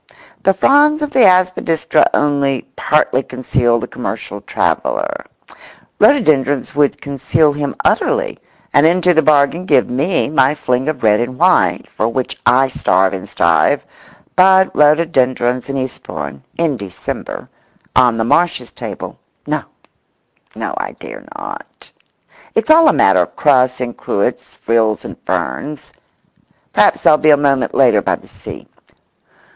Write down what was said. "The fronds of the aspidistra only partly concealed the commercial traveller—" Rhododendrons would conceal him utterly, and into the bargain give me my fling of red and white, for which I starve and strive; but rhododendrons in Eastbourne—in December—on the Marshes' table—no, no, I dare not; it's all a matter of crusts and cruets, frills and ferns. Perhaps there'll be a moment later by the sea.